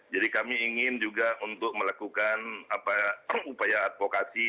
jadi kami ingin juga untuk melakukan upaya advokasi